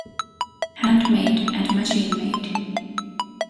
Handmade and machine-made.